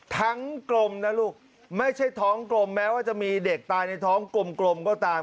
กลมนะลูกไม่ใช่ท้องกลมแม้ว่าจะมีเด็กตายในท้องกลมก็ตาม